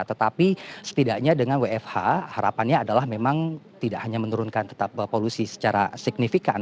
tetapi setidaknya dengan wfh harapannya adalah memang tidak hanya menurunkan tetap polusi secara signifikan